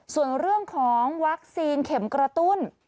ส่วนเรื่องของวัคซีนเข็มกระตุ้น